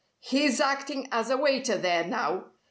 He's acting as a waiter there now.